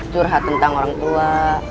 curhat tentang orang tua